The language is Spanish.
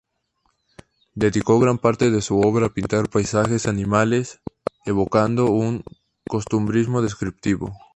Dedicó gran parte de su obra a pintar paisajes, animales, evocando un costumbrismo descriptivo.